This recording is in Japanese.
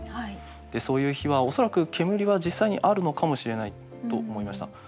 でそういう日は恐らく煙は実際にあるのかもしれないと思いました。